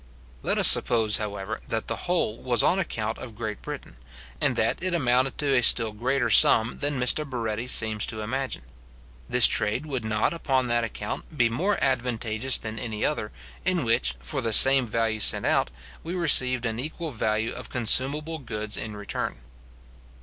Let us suppose, however, that the whole was on account of Great Britain, and that it amounted to a still greater sum than Mr Barretti seems to imagine; this trade would not, upon that account, be more advantageous than any other, in which, for the same value sent out, we received an equal value of consumable goods in return.